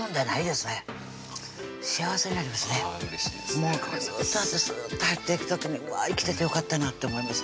もうクッとなってスッと入っていく時にうわぁ生きててよかったなって思います